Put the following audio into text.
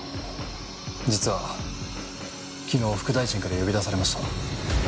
実は昨日副大臣から呼び出されました。